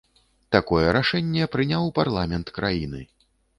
Такое рашэнне прыняў парламент краіны.